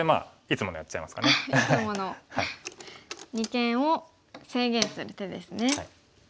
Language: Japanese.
いつもの二間を制限する手ですね。